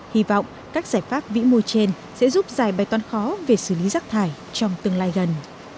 hy vọng các giải pháp vĩ mô trên sẽ giúp giải bài toán khó về xử lý rác thải trong tương lai gần